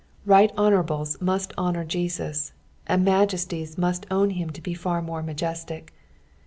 Bight honourables must honour Jesus, and majesties must own him to be far more majestic.